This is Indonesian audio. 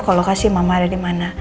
kalau kasih mama ada dimana